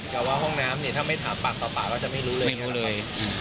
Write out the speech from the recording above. กลัวว่าห้องน้ำถ้าไม่ถามปากต่อปากก็จะไม่รู้เลย